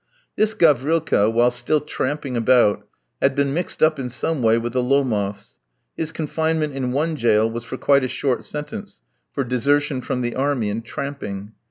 This Gavrilka, while still tramping about, had been mixed up in some way with the Lomofs (his confinement in one jail was for quite a short sentence, for desertion from the army and tramping).